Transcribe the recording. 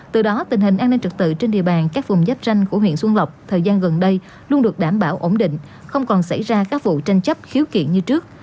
từ đó tình hình an ninh trật tự trên địa bàn các vùng giáp tranh của huyện xuân lộc thời gian gần đây luôn được đảm bảo ổn định không còn xảy ra các vụ tranh chấp khiếu kiện như trước